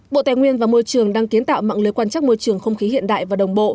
bộ tài nguyên và môi trường đang kiến tạo mạng lưới quan trắc môi trường không khí hiện đại và đồng bộ